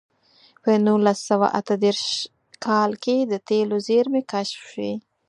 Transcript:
په نولس سوه اته دېرش کال کې د تېلو زېرمې کشف شوې.